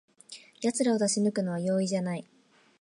やつらを出し抜くのは容易じゃない